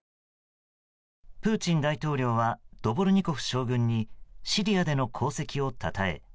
プーチン大統領はドボルニコフ将軍にシリアでの功績をたたえ